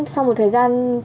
sau một thời gian